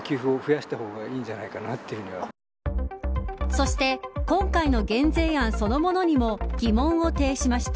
そして今回の減税案そのものにも疑問を呈しました。